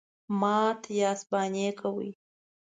_مات ياست، بانې کوئ.